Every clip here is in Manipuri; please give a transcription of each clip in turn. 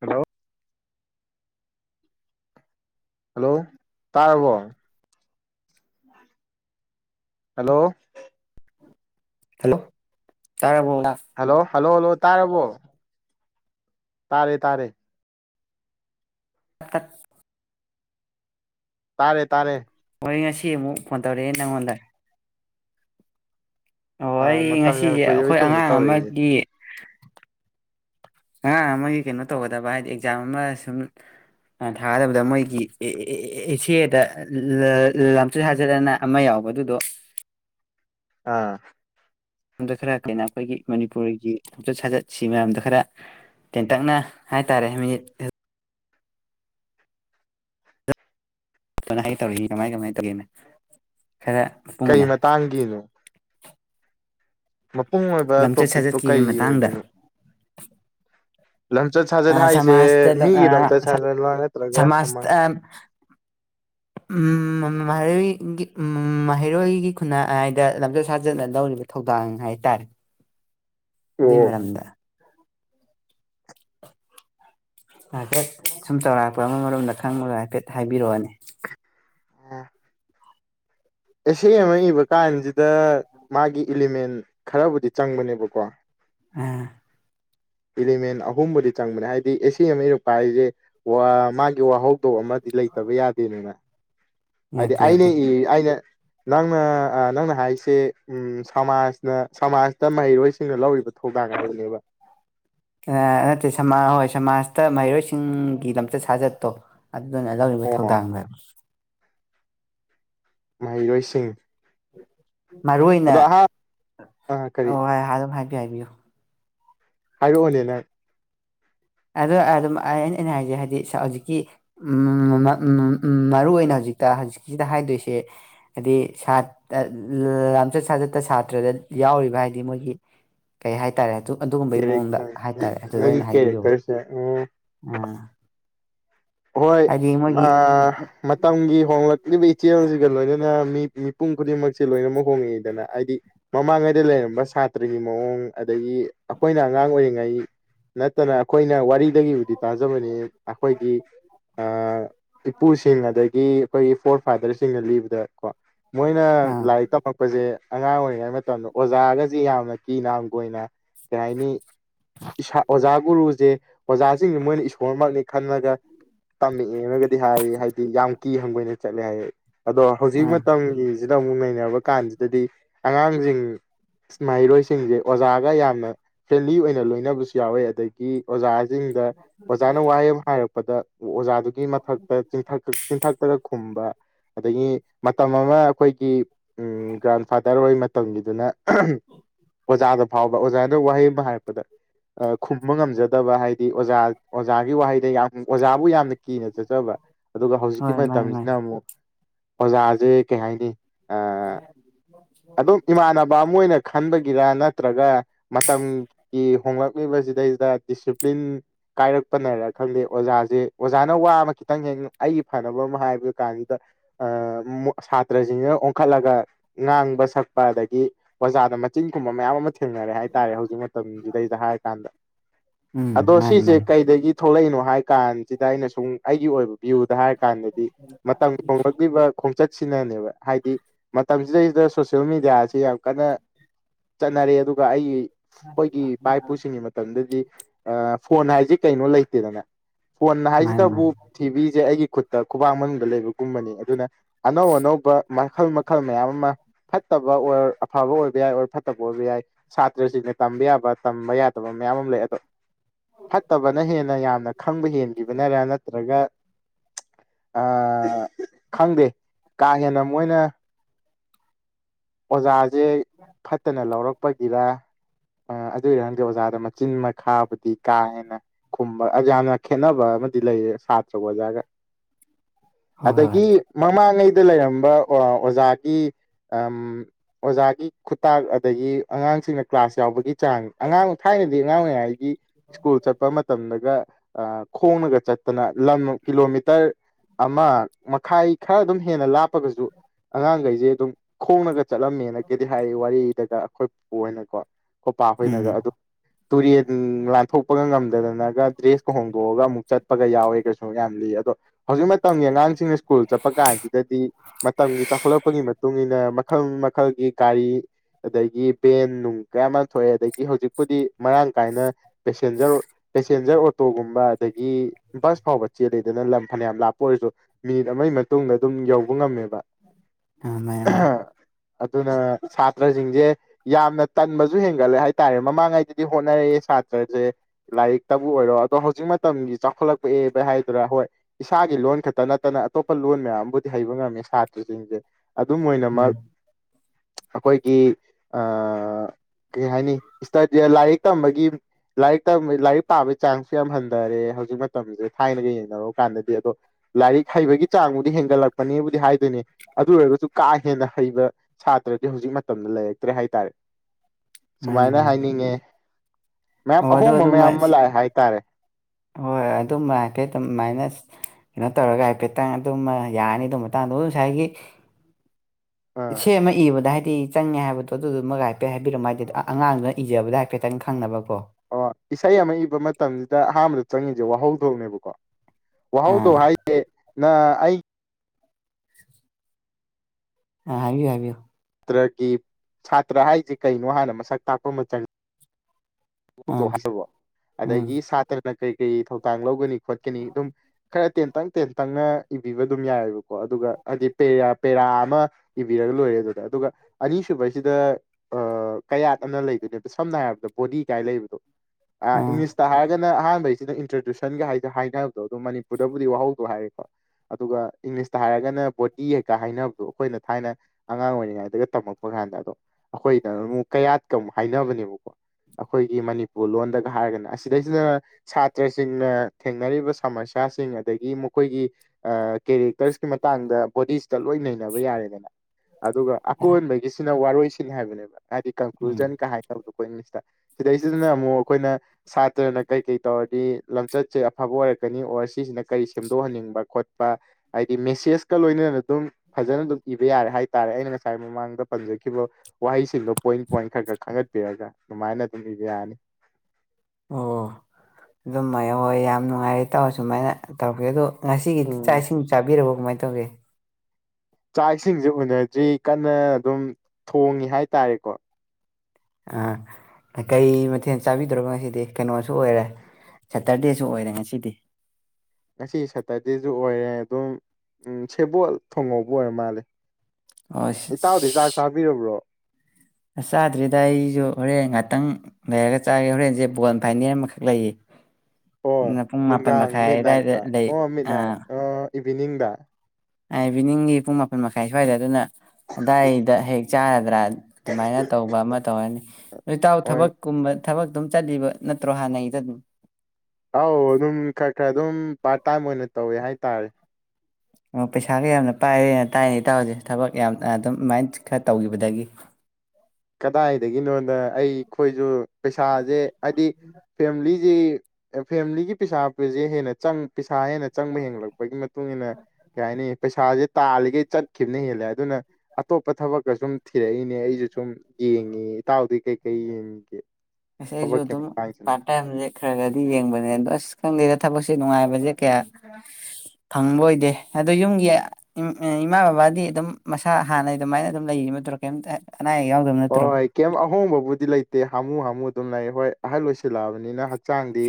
ꯍꯂꯣ ꯍꯜꯂꯣ ꯇꯥꯔꯕꯣ ꯍꯦꯜꯂꯣ ꯍꯜꯂꯣ ꯇꯔꯕꯣ ꯍꯜꯂꯣ ꯍꯜꯂꯣ ꯍꯜꯂꯣ ꯇꯥꯔꯕꯣ ꯇꯥꯔꯦ ꯇꯥꯔꯦ [unintelligible] ꯇꯥꯔꯦ ꯇꯥꯔꯦ ꯍꯣꯏ ꯉꯁꯤ ꯑꯃꯨꯛ ꯐꯣꯟ ꯇꯧꯔꯛꯑꯦ ꯅꯪꯉꯣꯟꯗ ꯑꯣ ꯑꯥ ꯑꯩ ꯃꯇꯝ ꯌꯥꯝ ꯉꯁꯤꯁꯦ ꯀꯨꯏꯔꯕꯩ ꯑꯩꯈꯣꯏ ꯇꯨꯡꯗ ꯑꯉꯥꯡ ꯇꯧꯔꯛꯏꯁꯦ ꯑꯃꯒꯤ ꯑꯉꯥꯡ ꯑꯃꯒꯤ ꯀꯩꯅꯣ ꯇꯧꯒꯗꯕ ꯍꯥꯏꯗꯤ ꯑꯦꯛꯖꯥꯝ ꯑꯃ ꯁꯨꯝ ꯊꯥꯒꯗꯕꯗ ꯃꯣꯏꯒꯤ ꯑꯦ ꯁꯦꯗ ꯂꯝꯆꯠ ꯁꯥꯆꯠꯂꯅ ꯑꯃ ꯌꯥꯎꯕ ꯑꯗꯨꯗꯣ ꯑꯥ ꯃꯔꯝꯗ ꯈꯔ ꯀꯩꯅ ꯑꯩꯈꯣꯏꯒꯤ ꯃꯅꯤꯄꯨꯔꯒꯤ ꯂꯝꯡꯆꯠ ꯁꯥꯖꯠꯁꯤ ꯃꯔꯝꯗ ꯈꯔ ꯇꯦꯟꯇꯛꯅ ꯍꯥꯏ ꯇꯥꯔꯦ ꯃꯤꯅꯤꯠ [unintelligible] ꯇꯧꯔꯤ ꯀꯃꯥꯏ ꯀꯃꯥꯏ ꯇꯧꯔꯤꯒꯦꯅ ꯀꯩ ꯃꯇꯥꯡꯒꯤꯅꯣ ꯃꯄꯨꯡ ꯑꯣꯏꯕ ꯂꯝꯆꯠ ꯇꯣꯄꯤꯛꯇꯣ ꯁꯥꯖꯠꯀꯤ ꯀꯩ ꯃꯇꯥꯡꯗ ꯑꯣꯏꯗꯣꯏꯅꯣ ꯂꯝꯆꯠ ꯁꯥꯖꯠ ꯍꯥꯏꯁꯦ ꯁꯃꯥꯖꯇ ꯃꯤꯒꯤ ꯂꯝꯆꯠ ꯁꯥꯖꯠꯂ ꯅꯠꯇ꯭ꯔꯒ ꯀꯃꯥꯏ ꯁꯃꯥꯖ ꯎꯝ ꯃꯍꯩꯔꯣꯏꯒꯤ ꯃꯍꯩꯔꯣꯏꯒꯤ ꯈꯨꯟꯅꯥꯏꯗ ꯂꯝꯆꯠ ꯁꯥꯖꯠꯅ ꯂꯧꯔꯤꯕ ꯊꯧꯗꯥꯡ ꯍꯥꯏꯇꯥꯔꯦ ꯑꯗꯨ ꯑꯣ ꯃꯔꯝꯗ ꯍꯥꯏꯐꯦꯠ ꯁꯨꯝ ꯆꯥꯎꯧꯔꯥꯛꯄ ꯑꯃꯔꯣꯝꯗ ꯈꯪꯕꯣ ꯍꯥꯏꯐꯦꯠ ꯍꯥꯏꯕꯤꯔꯛꯑꯣꯅꯤ [unintelligible] ꯑꯣ ꯑꯦꯁꯦ ꯑꯃ ꯏꯕ ꯀꯥꯟꯁꯤꯗ ꯃꯥꯒꯤ ꯏꯂꯤꯃꯦꯟ ꯈꯔꯕꯨꯗꯤ ꯆꯪꯕꯅꯦꯕꯀꯣ ꯑ ꯏꯂꯤꯃꯦꯟ ꯑꯍꯨꯝꯕꯨꯗꯤ ꯆꯪꯕꯅꯦ ꯍꯥꯏꯕꯗꯤ ꯑꯦꯁꯤ ꯑꯃ ꯏꯔꯛ ꯍꯥꯏꯖꯦ ꯋ ꯃꯥꯒꯤ ꯋꯥꯍꯩ ꯇꯣ ꯑꯃꯗꯤ ꯂꯩꯇꯕ ꯌꯥꯗꯦꯅꯦꯗ ꯑꯗꯤ ꯅꯠꯇꯦ ꯑꯩꯏꯅꯦ ꯅꯠꯇꯦ ꯑꯩꯅ ꯅꯪꯅ ꯅꯪꯅ ꯍꯥꯏꯁꯦ ꯎꯝ ꯁꯃꯥꯖꯅ ꯁꯃꯥꯖꯇ ꯃꯍꯩꯔꯣꯏꯁꯤꯡꯅ ꯂꯧꯔꯤꯕ ꯊꯧꯗꯥꯡ ꯍꯥꯏꯕꯅꯦꯕ ꯑꯦ ꯅꯠꯇꯦ ꯁꯃꯥ ꯍꯣꯏ ꯁꯃꯥꯖꯇ ꯃꯍꯩꯔꯣꯏꯁꯤꯡꯒꯤ ꯂꯝꯆꯠ ꯁꯥꯖꯠꯇꯣ ꯑꯗꯨꯗꯅ ꯂꯧꯔꯤꯕ ꯑꯣ ꯊꯧꯗꯥꯡꯅꯦꯕ ꯃꯍꯩꯔꯣꯏꯁꯤꯡ ꯃꯔꯨ ꯑꯣꯏꯅ ꯑꯗꯣ ꯑꯍꯥꯟ ꯑ ꯀꯔꯤ ꯑꯣ ꯑꯗꯨ ꯍꯥꯏ ꯑꯦꯕꯤꯌꯨ ꯍꯥꯏꯔꯛꯑꯣꯅꯦꯅꯪ ꯑꯗ ꯑꯗꯨꯝ ꯑꯅꯟ ꯑꯦꯅ ꯍꯥꯏꯁꯩ ꯍꯥꯏꯗꯤ ꯍꯧꯖꯤꯛꯀꯤ ꯎꯃꯝ ꯏꯝꯝ ꯃꯔꯨ ꯑꯣꯢꯅ ꯍꯧꯖꯤꯛꯇ ꯍꯧꯖꯤꯛꯀꯤꯁꯤꯗ ꯍꯥꯏꯗꯣꯏꯁꯦ ꯍꯥꯏꯗꯤ ꯂꯝꯆꯠ ꯁꯥꯖꯠꯇ ꯁꯥꯇ꯭ꯔꯗ ꯌꯥꯎꯔꯤꯕ ꯍꯥꯏꯗꯤ ꯃꯣꯏꯒꯤ ꯀꯩ ꯍꯥꯏꯇꯥꯥꯔꯦ ꯑꯗꯨ ꯑꯗꯨꯒꯨꯝꯕꯒꯤ ꯃꯑꯣꯡꯗ ꯀꯦꯔꯦꯛꯇꯔ ꯍꯥꯏꯇꯥꯔꯦ ꯑꯗꯨꯗ ꯅꯪꯒꯤ ꯑꯣꯏꯅ ꯍꯥꯏꯕꯤꯌꯣꯕ ꯀꯦꯔꯦꯛꯇꯔꯁꯦ ꯎꯝ ꯑꯥ ꯍꯣꯏ ꯍꯥꯏꯗꯤ ꯃꯣꯏꯒꯤ ꯑꯥ ꯃꯇꯝꯒꯤ ꯍꯣꯡꯂꯛꯂꯤꯕꯤ ꯏꯆꯦꯜꯁꯤꯒ ꯂꯣꯏꯅꯅ ꯃꯤ ꯃꯤꯄꯨꯝ ꯈꯨꯗꯤꯡꯃꯛꯁꯦ ꯂꯣꯏꯅꯃꯛ ꯍꯣꯡꯉꯛꯉꯤꯗꯅ ꯍꯥꯏꯗꯤ ꯃꯃꯥꯡꯉꯩꯗ ꯂꯩꯔꯝꯕ ꯁꯥꯇ꯭ꯔꯒꯤ ꯃꯑꯣꯡ ꯑꯗꯒꯤ ꯑꯩꯈꯣꯏꯅ ꯑꯉꯥꯡ ꯑꯣꯏꯔꯤꯉꯩ ꯅꯠꯇꯅ ꯑꯩꯈꯣꯏꯅ ꯋꯥꯔꯤꯗꯒꯤꯕꯨꯗꯤ ꯇꯥꯖꯕꯅꯤ ꯑꯩꯈꯣꯏꯒꯤ ꯑ ꯏꯄꯨꯁꯤꯡ ꯑꯗꯒꯤ ꯑꯩꯈꯣꯏꯒꯤ ꯐꯣꯔ ꯐꯥꯗꯔꯁꯤꯡꯅ ꯂꯤꯕꯗ ꯀꯣ ꯃꯣꯏꯅ ꯑꯥ ꯂꯥꯏꯔꯤꯛ ꯇꯝꯃꯛꯄꯁꯦ ꯑꯉꯥꯡ ꯑꯣꯏꯔꯤꯉꯩ ꯃꯇꯝꯗ ꯑꯣꯖꯥꯅꯥꯁꯤ ꯌꯥꯝꯅ ꯀꯤꯅꯥ ꯍꯪꯉꯣꯏꯅ ꯀꯩꯅꯤꯥ ꯑꯣꯖꯥ ꯒꯨꯔꯨ ꯁꯦ ꯑꯣꯖꯥꯁꯤꯡ ꯃꯣꯏꯅ ꯏꯁꯣꯔꯃꯛꯅꯤ ꯈꯜꯂꯒ ꯇꯝꯃꯛꯑꯦꯒꯗꯤ ꯍꯥꯏ ꯍꯥꯏꯗꯤ ꯌꯥꯝ ꯀꯤ ꯍꯪꯉꯣꯏꯅꯥ ꯆꯠꯂꯦꯍꯥꯌꯦ ꯑꯗꯣ ꯍꯧꯖꯤꯛ ꯑꯥ ꯃꯇꯝꯒꯤꯁꯤꯗ ꯑꯃꯨꯛ ꯅꯩꯅꯕ ꯀꯥꯟꯁꯤꯗꯗꯤ ꯑꯉꯥꯡꯁꯤꯡ ꯃꯍꯩꯔꯣꯏꯁꯤꯡꯁꯦ ꯑꯣꯖꯥꯒ ꯌꯥꯝꯅ ꯐ꯭ꯔꯦꯟꯂꯤ ꯑꯣꯏꯅ ꯂꯣꯏꯅꯕꯁꯨ ꯌꯥꯎꯋꯦ ꯑꯗꯒꯤ ꯑꯣꯖꯥ ꯁꯤꯡꯗ ꯑꯣꯖꯥꯅ ꯋꯥꯍꯩ ꯑꯃ ꯍꯥꯏꯔꯛꯄꯗ ꯑꯣꯖꯥꯗꯨꯒꯤ ꯃꯊꯛꯇ ꯆꯤꯟꯊꯛ ꯆꯤꯟꯊꯛꯇꯒ ꯈꯨꯝꯕ ꯑꯗꯒꯤ ꯃꯇꯝ ꯑꯃ ꯑꯩꯈꯣꯏꯒꯤ ꯎꯝ ꯒ꯭ꯔꯥꯟꯐꯥꯗꯔ ꯑꯣꯏ ꯃꯇꯝꯒꯤꯗꯨꯅ ꯑꯍꯝ ꯑꯣꯖꯥꯗ ꯐꯥꯎꯕ ꯑꯣꯖꯥ ꯋꯥꯍꯩ ꯑꯃ ꯍꯥꯏꯔꯛꯄꯗ ꯑ-ꯈꯨꯝꯕ ꯉꯝꯖꯗꯕ ꯍꯥꯏꯗꯤ ꯑꯣꯖꯥ ꯑꯣꯖꯥꯒꯤ ꯋꯥꯍꯩꯗ ꯌꯥꯝ ꯑꯣꯖꯥ ꯕꯨ ꯌꯥꯝꯅ ꯀꯤꯅ ꯆꯠꯆꯕ ꯑꯗꯨꯒ ꯍꯧꯖꯤꯛꯀꯤ ꯍꯣꯏ ꯃꯥꯅꯤ ꯃꯥꯅꯤ ꯃꯇꯝꯖꯤꯅ ꯑꯃꯨꯛ ꯑꯣꯖꯥꯖꯦ ꯀꯩꯍꯥꯏꯅꯤ ꯑ ꯑꯗꯨꯝ ꯏꯃꯥꯟꯅꯕ ꯑꯃ ꯑꯣꯏꯅ ꯈꯟꯕꯒꯤꯔꯥ ꯅꯠ ꯇ꯭ꯔꯒ ꯃꯇꯝꯒꯤ ꯍꯣꯡꯂꯛꯂꯤꯕꯖꯤꯗꯩꯖꯤꯗ ꯗꯤꯁꯤꯄ꯭ꯂꯤꯟ ꯀꯥꯏꯔꯛꯄꯅꯔ ꯈꯪꯗꯦ ꯑꯣꯖꯥꯖꯦ ꯑꯣꯖꯥꯅ ꯋꯥ ꯑꯃ ꯈꯤꯇꯪ ꯍꯦꯛ ꯑꯩꯒꯤ ꯐꯅꯕ ꯑꯃ ꯍꯥꯏꯕ ꯀꯥꯟꯖꯤꯗ ꯑ ꯃꯣ ꯁꯥꯇ꯭ꯔꯖꯤꯡꯖꯤꯅ ꯑꯣꯟꯈꯠꯂꯒ ꯉꯥꯡꯕ ꯁꯛꯄ ꯑꯗꯒꯤ ꯑꯣꯖꯥꯗ ꯃꯆꯤꯟ ꯈꯨꯝꯕ ꯃꯌꯥꯝ ꯑꯃ ꯊꯦꯡꯅꯔꯦ ꯍꯥꯏꯇꯥꯔꯦ ꯍꯧꯖꯤꯛ ꯃꯇꯝꯖꯤꯗꯩꯗ ꯍꯥꯏꯔꯀꯥꯟꯗ ꯎꯝ ꯑꯗꯣ ꯃꯥꯅꯤ ꯁꯤꯖꯦ ꯃꯥꯅꯤ ꯀꯩꯗꯒꯤ ꯊꯣꯛꯂꯏꯅꯣ ꯍꯥꯏ ꯀꯥꯟ ꯁꯤꯗ ꯑꯩꯅ ꯁꯨꯝ ꯑꯩꯒꯤ ꯑꯣꯏꯕ ꯚꯋ꯭ꯌꯨꯗ ꯍꯥꯏ ꯀꯥꯟꯗꯗꯤ ꯃꯇꯝ ꯍꯣꯡꯂꯛꯂꯤꯕ ꯈꯣꯡ ꯆꯠꯁꯤꯅꯅꯦꯕ ꯍꯥꯏꯗꯤ ꯃꯇꯝꯁꯤꯗꯩꯁꯤꯗ ꯁꯣꯁꯤꯜ ꯃꯦꯗꯤꯌꯥ ꯁꯦ ꯌꯥꯝ ꯀꯟꯅ ꯆꯠꯅꯔꯦ ꯑꯗꯨꯒ ꯑꯩꯒꯤ ꯑꯈꯣꯏꯒꯤ ꯏꯄꯥ ꯏꯄꯨꯁꯤꯡꯒꯤ ꯃꯇꯝꯗꯨꯗꯗꯤ ꯑ ꯐꯣꯟ ꯍꯥꯏꯖꯤ ꯀꯩꯅꯣ ꯂꯩꯇꯦꯗꯅ ꯐꯣꯟ ꯃꯥꯅꯤ ꯍꯥꯏꯁꯤꯇꯕꯨ ꯃꯥꯅꯤ ꯊꯤꯕꯤꯖꯦ ꯑꯩꯒꯤ ꯈꯨꯠ ꯗ ꯈꯨꯕꯥꯛ ꯃꯅꯨꯡꯗ ꯂꯩꯕꯒꯨꯝꯕꯅꯤ ꯑꯗꯨꯅ ꯑꯅꯧ ꯑꯅꯧꯕ ꯃꯈꯜ ꯃꯈꯜ ꯃꯌꯥꯝ ꯑꯃ ꯐꯠꯇꯕ ꯑꯣꯔ ꯑꯐꯕ ꯑꯣꯏꯕ ꯌꯥꯏ ꯑꯣꯔ ꯐꯠꯇꯕ ꯑꯣꯏꯕ ꯌꯥꯏ ꯁꯥꯇ꯭ꯔꯁꯤꯡꯅ ꯇꯝꯕ ꯌꯥꯕ ꯇꯝꯕ ꯌꯥꯗꯕ ꯃꯌꯥꯝ ꯑꯃ ꯂꯩ ꯑꯗꯣ ꯐꯠꯇꯕꯅ ꯍꯦꯟꯅ ꯌꯥꯝꯅ ꯈꯪꯕ ꯍꯦꯟ [unintelligible] ꯕꯅꯔ ꯅꯠꯇ꯭ꯔꯒ ꯑ ꯑꯥ ꯈꯪꯗꯦ ꯀꯥ ꯍꯦꯟꯅ ꯃꯣꯏꯅ ꯑꯣꯖꯥ ꯖꯦ ꯐꯠꯇꯅ ꯂꯧꯔꯛꯄꯒꯤꯔꯥ ꯑ ꯑꯗꯨꯏꯔ ꯈꯪꯗꯦ ꯑꯣꯖꯥꯗ ꯃꯆꯤꯟ ꯃꯈꯥꯕ ꯀꯥ ꯍꯦꯟꯅ ꯈꯨꯝꯕ ꯌꯥꯝꯅ ꯈꯦꯠꯅꯕ ꯑꯃꯗꯤ ꯂꯩꯌꯦ ꯁꯥꯇ꯭ꯔ ꯑꯣꯖꯥꯒ ꯍꯣꯏ ꯍꯣꯏ ꯍꯣꯏ ꯑꯗꯒꯤ ꯃꯃꯥꯡꯉꯩ ꯗ ꯂꯩꯔꯝꯕ ꯑ ꯑꯣꯖꯥꯒꯤ ꯑꯝ ꯑꯣꯖꯥꯒꯤ ꯈꯨꯇꯥꯛ ꯑꯗꯒꯤ ꯑꯉꯥꯡꯁꯤꯡꯅ ꯀ꯭ꯂꯥꯁ ꯌꯥꯎꯕꯒꯤ ꯆꯥꯡ ꯑꯉꯥꯡ ꯊꯥꯏꯅꯗꯤ ꯑꯉꯥꯡ ꯑꯣꯏꯔꯤꯉꯩꯒꯤ ꯁ꯭ꯀꯨꯜ ꯆꯠꯄ ꯃꯇꯝꯗꯒ ꯑ ꯈꯣꯡꯅꯒ ꯆꯠꯇꯅ ꯂꯝ ꯀꯤꯂꯣꯃꯤꯇꯔ ꯑꯃ ꯃꯈꯥꯏ ꯈꯔ ꯑꯗꯨꯝ ꯍꯦꯟꯅ ꯂꯥꯞ ꯄꯒꯖꯨ ꯑꯉꯥꯡꯒꯩꯖꯦ ꯗꯨꯝ ꯈꯣꯡꯅꯒ ꯆꯠꯂꯝꯃꯦꯅ ꯒꯗꯤ ꯍꯥꯏ ꯋꯥꯔꯤꯗꯒ ꯑꯈꯣꯏ ꯑꯣꯏꯅꯀꯣ ꯈꯣꯄꯥ ꯎꯝ ꯍꯣꯏꯅꯒ ꯑꯗꯨꯝ ꯇꯨꯔꯦꯟ ꯂꯥꯟꯊꯣꯛꯄꯒ ꯉꯝꯗꯗꯅꯒ ꯗ꯭ꯔꯦꯁꯀ ꯍꯣꯡꯗꯣꯛꯑꯒ ꯑꯃꯨ ꯑꯃꯨꯛ ꯆꯠꯄꯒ ꯌꯥꯎꯋꯦꯒꯁꯨ ꯌꯥꯝ ꯂꯤ ꯑꯗꯣ ꯍꯧꯖꯤꯛ ꯃꯇꯝꯒꯤ ꯑꯉꯥꯡꯁꯤꯡꯅ ꯁ꯭ꯀꯨꯜ ꯆꯠꯄ ꯀꯥꯟꯁꯤꯗꯗꯤ ꯃꯇꯝꯒꯤ ꯆꯥꯎꯈꯠꯂꯛꯄꯒꯤ ꯃꯇꯨꯡ ꯏ ꯃꯇꯨꯡꯏꯟꯅ ꯃꯈꯜ ꯃꯈꯜꯒꯤ ꯒꯥꯔꯤ ꯑꯗꯒꯤ ꯚꯦꯟ ꯅꯨꯡ ꯀꯌꯥ ꯑꯃ ꯊꯣꯛꯑꯦ ꯑꯗꯒꯤ ꯍꯧꯖꯤꯛꯄꯨꯗꯤ ꯃꯔꯥꯡ ꯀꯥꯏꯅ ꯄꯦꯁꯦꯟꯖꯔ ꯄꯦꯁꯦꯟꯖꯔ ꯑꯣꯇꯣꯒꯨꯝꯕ ꯑꯗꯒꯤ ꯕꯁ ꯐꯥꯎꯕ ꯆꯦꯜꯜꯂꯤꯗꯅ ꯂꯝ ꯐꯅꯌꯥꯝ ꯂꯥꯞꯄ ꯑꯣꯏꯔꯁꯨ ꯃꯤꯅꯤꯠ ꯑꯃꯒꯤ ꯃꯇꯨꯡꯗ ꯑꯗꯨꯝ ꯌꯧꯕ ꯉꯝꯃꯦꯕ ꯑ ꯃꯥꯅꯦ ꯃꯥꯅꯦ ꯑꯗꯨꯅ ꯁꯥꯇ꯭ꯔꯁꯤꯡꯁꯦ ꯌꯥꯝꯅ ꯇꯟꯕꯁꯨ ꯍꯦꯟꯒꯠꯂꯦ ꯍꯥꯏ ꯇꯔꯦ ꯃꯃꯥꯡꯉꯩꯗꯗꯤ ꯍꯣꯠꯅꯔꯛꯑꯦ ꯁꯥꯇ꯭ꯔꯁꯦ ꯂꯥꯏꯔꯤꯛꯇꯕꯨ ꯑꯣꯏꯔꯣ ꯑꯗꯣ ꯍꯧꯖꯤꯛ ꯃꯇꯝꯒꯤ ꯆꯥꯎꯈꯠꯂꯛꯄꯑꯕ ꯍꯥꯏꯗ꯭ꯔꯥ ꯍꯣꯏ ꯏꯁꯥꯒꯤ ꯂꯣꯟ ꯈꯛꯇ ꯅꯠꯇꯅ ꯑꯇꯣꯞꯄ ꯂꯣꯟ ꯃꯌꯥꯝꯕꯨꯗꯤ ꯍꯩꯕ ꯉꯝꯃꯦ ꯁꯥꯇ꯭ꯔꯁꯤꯡꯁꯦ ꯑꯗꯨꯝ ꯑꯣꯏꯅꯃꯛ ꯎꯝ ꯑꯩꯈꯣꯏꯒꯤ ꯑ ꯀꯩ ꯍꯥꯏꯅꯤ ꯏꯁꯇꯗꯤ ꯂꯥꯏꯔꯤꯛ ꯇꯝꯕꯒꯤ ꯂꯥꯏꯔꯤꯛ ꯂꯥꯏꯔꯤꯛ ꯄꯥꯕꯒꯤ ꯆꯥꯡꯁꯨ ꯌꯥꯝ ꯍꯟꯊꯔꯦ ꯍꯧꯖꯤꯛ ꯃꯇꯝꯁꯦ ꯊꯥꯏꯅꯒ ꯌꯦꯡꯅꯔꯨꯕ ꯀꯥꯟꯗꯗꯤ ꯑꯗꯣ ꯂꯥꯏꯔꯤꯛ ꯍꯩꯕꯒꯤ ꯆꯥꯡ ꯍꯦꯟꯒꯠꯂꯛꯄꯅꯤꯕꯨꯗꯤ ꯍꯥꯏꯗꯣꯏꯅꯦ ꯑꯗꯨ ꯑꯣꯏꯔꯒꯁꯨ ꯀꯥ ꯍꯦꯟꯅ ꯍꯩꯕ ꯁꯥꯇ꯭ꯔꯗꯤ ꯍꯧꯖꯤꯛ ꯃꯇꯝꯗ ꯂꯩꯔꯛꯇ꯭ꯔꯦ ꯍꯥꯏꯇꯥꯔꯦ ꯃꯥꯅꯤ ꯁꯨꯃꯥꯏꯅ ꯃꯥꯅꯤ ꯍꯥꯏꯅꯤꯡꯉꯦ ꯃꯌꯥꯝ ꯑꯣ ꯑꯗꯨ ꯑꯍꯣꯡꯕ ꯑꯗꯨꯃ ꯃꯌꯥꯝ ꯑꯃ ꯂꯥꯛꯑꯦ ꯍꯥꯏꯇꯥꯔꯦ ꯍꯣꯏꯣꯏ ꯑꯗꯨꯃ ꯍꯥꯏꯐꯦꯠꯇ ꯃꯥꯏꯅꯁ ꯀꯩꯅꯣ ꯇꯧꯔꯒ ꯍꯥꯏꯐꯦꯠꯇꯪ ꯑꯗꯨꯝꯃ ꯌꯥꯔꯅꯤ ꯑꯗꯨ ꯃꯇꯥꯡꯗꯣ ꯉꯁꯥꯏꯒꯤ ꯑꯥ ꯏ ꯑꯃ ꯏꯕꯗ ꯍꯥꯏꯗꯤ ꯆꯪꯉꯦ ꯍꯥꯏꯕꯗꯣ ꯑꯗꯨꯗꯨꯃꯒ ꯍꯥꯏꯐꯦꯠ ꯍꯥꯏꯕꯤꯔꯝꯃ ꯍꯥꯏꯗꯤ ꯑꯉꯥꯡꯗꯨꯅ ꯏꯖꯕꯗ ꯍꯥꯏꯐꯦꯠꯇꯪ ꯈꯪꯅꯕꯀꯣ ꯑꯣ ꯏꯁꯩ ꯑꯃ ꯏꯕ ꯃꯇꯝꯁꯤꯗ ꯑꯍꯥꯟꯕꯗ ꯆꯪꯉꯤꯁꯦ ꯋꯥꯍꯧꯗꯣꯡꯅꯦꯕꯀꯣ ꯋꯥ ꯍꯥꯎꯗꯣ ꯑꯥ ꯍꯥꯏꯦ ꯅ ꯑꯩ ꯑ ꯍꯥꯏꯕꯤꯌꯨ ꯍꯥꯏꯕꯤꯌꯨ ꯁꯥꯇ꯭ꯔꯒꯤ ꯁꯥꯇ꯭ꯔ ꯍꯥꯏꯁꯤ ꯀꯩꯅꯣ ꯍꯥꯟꯅ ꯃꯁꯛ ꯇꯥꯛꯄ ꯑꯃ ꯆꯪꯏ ꯑꯥ ꯍꯥꯏꯖꯕ ꯎꯝ ꯑꯗꯒꯤ ꯁꯥꯇ꯭ꯔꯅ ꯀꯩ ꯀꯩ ꯊꯧꯗꯥꯡ ꯂꯧꯒꯅꯤ ꯐꯛꯀꯦꯅꯤ ꯑꯗꯨꯝ ꯈꯔ ꯇꯦꯟꯇꯪ ꯇꯦꯟꯇꯪꯅ ꯏꯕꯤꯕ ꯑꯗꯨꯝ ꯌꯥꯏꯑꯕꯀꯣ ꯑꯗꯨꯒ ꯍꯥꯏꯗꯤ ꯄꯦꯔ ꯄꯦꯔꯥ ꯑꯃ ꯏꯕꯤꯔꯒ ꯂꯣꯏꯔꯦ ꯑꯗꯨ ꯑꯗꯨꯒ ꯑꯅꯤꯁꯨꯕꯁꯤꯗ ꯑ ꯀꯌꯥꯠ ꯑꯅ ꯂꯩꯗꯣꯏꯅꯦꯕ ꯁꯝꯅ ꯍꯥꯏꯔꯕꯗ ꯕꯣꯗꯤ ꯀꯥꯏ ꯂꯩꯕꯗꯣ ꯑ ꯑꯥ ꯏꯪꯂꯤꯁꯇ ꯍꯥꯏꯔꯒꯅ ꯑꯍꯥꯟꯕꯩꯁꯦ ꯁꯤꯅ ꯏꯟꯇ꯭ꯔꯗ꯭ꯌꯨꯁꯟꯒ ꯍꯥꯏꯁ ꯍꯥꯏꯅꯕꯗꯣ ꯑꯗꯨꯝ ꯃꯅꯤꯄꯨꯔꯗꯕꯨꯗꯤ ꯋꯥꯍꯧꯗꯣ ꯍꯥꯏꯔꯦꯀꯣ ꯑꯗꯨꯒ ꯏꯪꯂꯤꯁꯇ ꯍꯥꯏꯔꯒꯅ ꯕꯣꯗꯤ ꯍꯦꯛꯀ ꯍꯥꯏꯅꯕꯗꯣ ꯑꯩꯈꯣꯏꯅ ꯊꯥꯏꯅ ꯑꯉꯥꯡ ꯑꯣꯏꯔꯤꯩ ꯗꯒ ꯇꯝꯃꯛꯄ ꯀꯥꯟꯗ ꯑꯗꯣ ꯑꯩꯈꯣꯏꯅ ꯑꯃꯨꯛ ꯀꯌꯥꯠꯀ ꯑꯃꯨꯛ ꯍꯥꯏꯅꯕꯅꯦꯕꯀꯣ ꯑꯩꯈꯣꯏꯒꯤ ꯃꯅꯤꯄꯨꯔ ꯂꯣꯟꯗꯒ ꯍꯥꯏꯔꯒꯅ ꯑꯁꯤꯗꯩꯁꯤꯗ ꯁꯥꯇ꯭ꯔꯁꯤꯡꯅ ꯊꯦꯡꯅꯔꯤꯕ ꯁꯃꯁ꯭ꯌꯥꯁꯤꯡ ꯑꯗꯒꯤ ꯃꯈꯣꯏꯒꯤ ꯑ ꯀꯦꯔꯦꯛꯇꯔꯁꯀꯤ ꯃꯇꯥꯡꯗ ꯕꯣꯗꯤꯁꯤꯗ ꯂꯣꯏ ꯅꯩꯅꯕ ꯌꯥꯔꯦꯗꯅ ꯑꯗꯨꯒ ꯑꯀꯣꯟꯕꯒꯤꯁꯤꯅ ꯋꯥꯔꯣꯏ ꯆꯤꯡꯍꯥꯏꯕꯅꯦꯕꯕꯥ ꯍꯥꯏꯗꯤ ꯎꯝ ꯀꯟꯀ꯭ꯂꯨꯖꯟ ꯀꯥꯏ ꯇꯧꯗꯅꯣ ꯑꯩ ꯏꯪꯂꯤꯁꯇ ꯁꯤꯗꯩꯁꯤꯗꯅ ꯑꯃꯨꯛ ꯑꯩꯈꯣꯏꯅ ꯁꯥꯇ꯭ꯔꯅ ꯀꯩ ꯀꯩ ꯇꯧꯔꯗꯤ ꯂꯝꯆꯠꯁꯦ ꯑꯐꯕ ꯑꯣꯏꯔꯛꯀꯅꯤ ꯑꯣꯔ ꯁꯤꯁꯤꯅ ꯀꯔꯤ ꯁꯦꯝꯗꯣꯛꯍꯟꯅꯤꯡꯕ ꯈꯣꯠꯄ ꯍꯥꯏꯗꯤ ꯃꯦꯁꯦꯁꯀ ꯂꯣꯏꯅꯅ ꯑꯗꯨꯝ ꯐꯖꯅ ꯑꯗꯨꯝ ꯏꯕ ꯌꯥꯔꯦ ꯍꯥꯏ ꯇꯔꯦ ꯑꯩꯅ ꯉꯁꯥꯏ ꯉꯁꯥꯏ ꯃꯃꯥꯡꯗ ꯄꯟꯖꯈꯤꯕ ꯋꯥꯍꯩ ꯁꯤꯗꯣ ꯄꯣꯏꯟ ꯄꯣꯏꯟ ꯈꯔ ꯈꯔ ꯈꯪꯒꯠꯄꯤꯔꯒ ꯑꯗꯨꯃꯥꯏꯅ ꯑꯗꯨꯝ ꯏꯕ ꯌꯥꯅꯤ ꯑꯣ ꯑꯗꯨꯝ ꯍꯣꯏ ꯌꯥꯝ ꯅꯨꯡꯉꯥꯏꯔꯦ ꯇꯥꯑꯣ ꯁꯨꯃꯥꯏꯅ ꯇꯧꯒꯦ ꯑꯗꯣ ꯉꯁꯤꯒꯤꯗꯤ ꯆꯥꯛ ꯎꯝ ꯏꯁꯤꯡ ꯆꯥꯕꯤꯔꯔꯕ ꯀꯃꯥꯏꯅ ꯇꯧꯒꯦ ꯆꯥꯛꯁꯤꯡꯁꯦ ꯎꯅꯗ꯭ꯔꯤ ꯀꯟꯅ ꯑꯗꯨꯝ ꯊꯣꯡꯉꯤ ꯍꯥꯏꯇꯥꯔꯦꯀꯣ ꯑꯥ ꯀꯩ ꯃꯊꯦꯜ ꯆꯥꯕꯤꯗꯣ ꯉꯁꯤꯗꯤ ꯀꯩꯅꯣꯁꯨ ꯑꯣꯏꯔꯦ ꯁꯇꯔꯗꯦꯁꯨ ꯑꯣꯏꯔꯦ ꯉꯁꯤꯗꯤ ꯉꯁꯤ ꯁꯇꯔꯗꯦꯁꯨ ꯑꯣꯏꯔꯦ ꯑꯗꯨꯝ ꯎꯝ ꯁꯦꯕꯣꯜ ꯊꯣꯡꯉꯧꯕ ꯑꯣꯏꯔ ꯃꯥꯜꯂꯦ ꯑꯣ ꯏꯇꯥꯎꯗꯤ ꯆꯥꯛ ꯆꯥꯕꯤꯔꯕ꯭ꯔꯣ ꯑꯁ ꯆꯥꯗ꯭ꯔꯤꯗ ꯑꯩꯁꯨ ꯍꯣꯔꯦꯟ ꯉꯥꯛꯇꯪ ꯂꯩꯔꯒ ꯆꯥꯒꯦ ꯍꯣꯔꯦꯟꯁꯦ ꯕꯣꯜ ꯐꯥꯏꯅꯦꯜ ꯑꯃꯈꯛ ꯂꯩꯌꯦ ꯑꯣ ꯑꯗꯨꯅ ꯄꯨꯡ ꯃꯥꯄꯟ ꯅꯨꯡꯗꯥꯡ ꯃꯈꯥꯏ ꯑꯗꯨꯋꯥꯏꯗ ꯃꯤꯠꯅꯥꯏ꯭ꯇꯇ ꯂꯩ ꯑꯣ ꯃꯤꯠꯅꯥꯏ꯭ꯇꯇ ꯑ ꯏꯚꯤꯅꯤꯡꯗ ꯏꯕꯤꯅꯤꯡꯒꯤ ꯄꯨꯡ ꯃꯥꯄꯟ ꯃꯈꯥꯏ ꯁ꯭ꯋꯥꯏꯗ ꯑꯗꯨꯅ ꯑꯗꯥꯏꯗ ꯍꯦꯒ ꯆꯥ ꯍꯗꯔꯥ ꯑꯗꯨꯃꯥꯏꯅ ꯇꯧꯕ ꯑꯃ ꯇꯧꯔꯅꯤ ꯂ ꯏꯇꯥꯎ ꯍꯣꯏ ꯊꯕꯛꯀꯨꯝꯕ ꯊꯕꯛꯇꯝ ꯆꯠꯂꯤꯕ ꯅꯠꯇ꯭ꯔꯣ ꯍꯥꯟꯅꯩꯗ ꯑꯗꯨꯝ ꯑꯥꯎ ꯑꯗꯨꯝ ꯈꯔ ꯈꯔ ꯑꯗꯨꯝ ꯄꯥꯔꯠ ꯇꯥꯏꯝ ꯑꯣꯏꯅ ꯇꯧꯋꯦ ꯍꯥꯏꯇꯥꯔꯦ ꯑꯣ ꯄꯩꯁꯥꯒ ꯌꯥꯝꯅ ꯄꯥꯏꯔꯦꯅ ꯇꯥꯏꯅ ꯏꯇꯥꯎꯁꯦ ꯊꯕꯛ ꯌꯥꯝ ꯑꯗꯨꯝ ꯑꯗꯨꯃꯥꯏꯅ ꯈꯔ ꯇꯧꯈꯤꯕꯗꯒꯤ ꯀꯗꯥꯏꯗꯒꯤꯅꯣꯗ ꯑꯩ ꯑꯩꯈꯣꯏꯁꯨ ꯄꯩꯁꯥꯁꯦ ꯍꯥꯏꯗꯤ ꯐꯦꯃꯤꯂꯤ ꯐꯦꯃꯤꯂꯤꯒꯤ ꯄꯩꯁꯥ ꯄꯁꯦ ꯍꯦꯟꯅ ꯆꯪ ꯄꯩꯁꯥ ꯍꯦꯟꯅ ꯆꯪꯕ ꯍꯦꯟꯒꯠꯂꯛꯄꯒꯤ ꯃꯇꯨꯡ ꯏꯟꯅ ꯀꯩ ꯍꯥꯏꯅꯤ ꯄꯩꯁꯥꯁꯦ ꯇꯥꯜꯂꯤꯈꯩ ꯆꯠꯈꯤꯕꯅ ꯍꯦꯜꯂꯦ ꯑꯗꯨꯅ ꯑꯇꯣꯞꯄ ꯊꯕꯛꯀ ꯁꯨꯝ ꯊꯤꯔꯛꯏꯅꯦ ꯑꯩꯁꯨ ꯁꯨꯝ ꯌꯦꯡꯉꯤ ꯏꯇꯥꯎꯗꯤ ꯀꯩꯀꯩ ꯌꯦꯡꯉꯤꯒꯦ ꯉꯁ ꯑꯩꯁꯨ ꯊꯕꯛꯀꯤ ꯑꯗꯨꯝ ꯃꯇꯥꯡꯁꯤꯅ ꯄꯥꯔꯠ ꯇꯥꯏꯝꯁꯦ ꯈꯔꯒꯗꯤ ꯌꯦꯡꯕꯅꯦ ꯑꯗꯣ ꯑꯁ ꯈꯪꯗꯦ ꯊꯕꯛꯁꯦ ꯅꯨꯡꯉꯥꯏꯕꯁꯦ ꯀꯌꯥ ꯐꯪꯕ ꯑꯣꯏꯗꯦ ꯑꯗꯣ ꯌꯨꯝꯒꯤ ꯏꯃꯥ ꯕꯕꯥꯗꯤ ꯑꯗꯨꯝ ꯃꯁꯥ ꯍꯥꯟꯅꯩ ꯑꯗꯨꯃꯥꯏꯅ ꯑꯗꯨꯝ ꯂꯩꯔꯤ ꯃꯗꯨꯔ ꯀꯩꯝꯇ ꯑꯅꯥ ꯑꯌꯦꯛ ꯌꯥꯎꯗꯕ ꯅꯠꯇ꯭ꯔꯣ ꯍꯣꯏ ꯀꯩꯝ ꯑꯍꯣꯡꯕꯕꯨꯗꯤ ꯗꯤ ꯂꯩꯇꯦ ꯍꯥꯃꯨ ꯍꯥꯃꯨ ꯑꯗꯨꯝ ꯂꯩ ꯍꯣꯏ ꯑꯍꯟ ꯑꯣꯏꯁꯤꯜꯂꯛꯑꯕꯅꯤꯅ ꯍꯛꯆꯥꯡꯗꯤ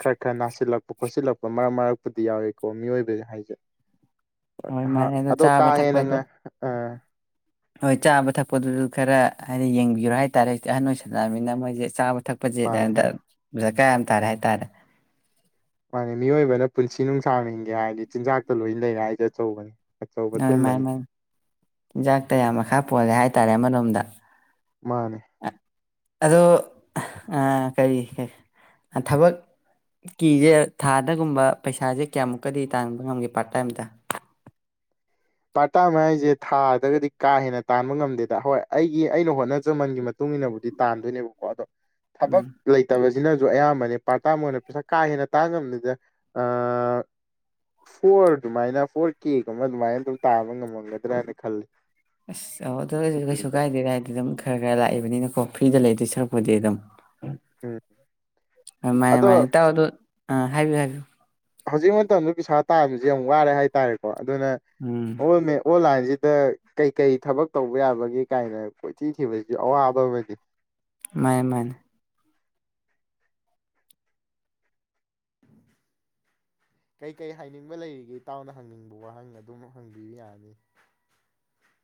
ꯈꯔ ꯈꯔ ꯅꯥꯁꯤꯜꯂꯛꯄ ꯈꯣꯠꯁꯤꯜꯂꯛꯄ ꯃꯔꯛ ꯃꯔꯛꯄꯨꯗꯤ ꯌꯥꯎꯏꯤꯀꯣ ꯃꯤꯑꯣꯏꯕꯁ ꯍꯥꯏꯁꯦ ꯍꯣꯏ ꯍꯥ ꯃꯥꯅꯦ ꯑꯗꯣ ꯀꯥ ꯆꯥꯕ ꯍꯦꯟꯅ ꯊꯛꯄꯗꯣ ꯉꯥꯏ ꯑ ꯍꯣꯏ ꯆꯥꯕ ꯊꯛꯄꯗꯨꯁꯨ ꯈꯔ ꯍꯥꯏꯗꯤ ꯌꯦꯡꯕꯤꯔꯣ ꯍꯥꯏꯇꯥꯔꯦ ꯍꯧꯖꯤ ꯑꯍꯟ ꯑꯣꯏꯁꯜꯂꯛꯑꯃꯤꯅ ꯃꯣꯏꯁꯦ ꯆꯥꯕ ꯊꯛ ꯊꯛꯄ ꯆꯦ ꯃꯥꯅꯦ ꯃꯥꯅꯦ ꯑꯗꯨꯟꯗ ꯀꯌꯥ ꯇꯔꯦ ꯍꯥꯏꯇꯥꯔꯦ ꯌꯥ ꯍꯥꯏꯔꯗꯤ ꯆꯤꯟꯖꯥꯛꯇ ꯂꯣꯏꯅ ꯂꯩꯔꯦ ꯑꯩꯗ ꯑꯆꯧꯕꯅꯦ ꯑꯗꯨ ꯃꯥꯏ ꯆꯤꯟꯖꯥꯛ ꯀꯌꯥ ꯃꯈꯥ ꯄꯣꯜꯂꯦ ꯍꯥꯏꯇꯥꯔꯦ ꯑꯃꯣꯝ ꯑꯗ ꯃꯥꯅꯦ ꯑꯗꯣ ꯀꯔꯤ ꯊꯕꯛꯀꯤꯁꯦ ꯊꯥꯗꯒꯨꯝꯕ ꯄꯩꯁꯥꯁꯦ ꯀꯌꯥꯃꯨꯛꯀꯗꯤ ꯇꯥꯡꯥꯟꯕ ꯉꯝꯒꯦ ꯄꯥꯔꯠ ꯇꯥꯏꯝꯗ ꯄꯥꯔꯇꯥ ꯃ ꯍꯥꯏꯁꯦ ꯊꯥꯗꯒꯗꯤ ꯀꯥ ꯍꯦꯟꯅ ꯇꯥꯟꯕ ꯉꯝꯗꯦꯗ ꯍꯣꯏ ꯑꯩꯒꯤ ꯑꯩꯅ ꯍꯣꯠꯅꯖꯃꯟꯒꯤ ꯃꯇꯨꯡ ꯏꯟꯅꯕꯨꯗꯤ ꯇꯥꯟꯗꯣꯏꯅꯦꯕꯀꯣ ꯑꯗꯣ ꯊꯕꯛ ꯎꯝ ꯂꯩꯇꯕꯁ ꯁꯤꯅꯁꯨ ꯑꯌꯥꯝꯕꯅꯦ ꯄꯥꯔꯇꯥ ꯃ ꯑꯣꯏꯅ ꯄꯩꯁꯥ ꯀꯥ ꯍꯦꯟꯅ ꯇꯥꯡꯉꯝꯅꯤꯗ ꯐꯣꯔ ꯑꯗꯨꯃꯥꯏꯅ ꯐꯣꯔ ꯀꯦꯒꯨꯝꯕ ꯑꯗꯨꯃꯥꯏꯅ ꯇꯧ ꯇꯥꯕ ꯉꯝꯃꯝꯒꯗ꯭ꯔꯥ ꯍꯥꯏꯅ ꯈꯜꯂꯤ ꯑꯁ ꯑꯧ ꯑꯗꯨ ꯑꯣꯏ ꯀꯩꯁꯨ ꯈꯟꯕ ꯀꯥꯏꯗꯦ ꯀꯥꯏꯗꯤ ꯑꯗꯨꯝ ꯈꯔ ꯈꯔ ꯂꯥꯛꯏꯕꯅꯤꯅꯀꯣ ꯐ꯭ꯔꯤꯗ ꯂꯩꯇꯣꯏ ꯁꯔꯛꯄꯗꯤ ꯑꯗꯨꯝ ꯎꯝ ꯃꯅꯦ ꯑꯗꯣ ꯃꯥꯅꯦ ꯇꯥꯑꯗꯨ ꯑꯥ ꯍꯥꯏꯕꯤꯌꯨ ꯍꯥꯏꯕꯤꯌꯨ ꯍꯧꯖꯤꯛ ꯃꯇꯝꯗ ꯄꯩꯁꯥ ꯇꯥꯕꯕꯁꯤ ꯌꯥꯝ ꯋꯥꯔꯦ ꯍꯥꯏꯇꯥꯔꯦꯀꯣ ꯑꯗꯨꯅ ꯎꯝ ꯑꯣ ꯑꯣꯂ ꯃꯁꯤꯗ ꯀꯩꯀꯩ ꯊꯕꯛ ꯇꯧꯕ ꯌꯥꯕꯒꯦ ꯀꯥꯏꯅ ꯀꯣꯏꯊꯤꯈꯤꯕꯁꯤꯁꯨ ꯑꯋꯥꯕ ꯑꯃꯅꯤ ꯃꯥꯏꯅꯦ ꯃꯥꯏꯅꯦ ꯀꯩ ꯀꯩ ꯍꯥꯏꯅꯤꯡꯕ ꯂꯩꯔꯤꯒꯦ ꯏꯇꯥꯎꯅ ꯍꯪꯅꯤꯡꯕ ꯋꯥꯍꯪ ꯑꯗꯨꯝ ꯍꯪꯕꯤꯕ ꯌꯥꯅꯤ